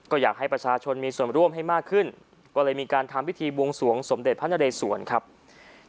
ก็อยากให้ประชาชนมีส่วนร่วมให้มากขึ้นก็เลยมีการทำพิธีบวงสวงสมเด็จพระนเรสวนครับ